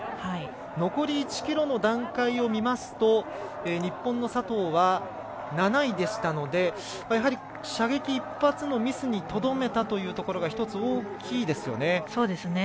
残り１ｋｍの段階を見ますと日本の佐藤は７位でしたのでやはり、射撃１発のミスにとどめたというところが１つ、大きいですよね。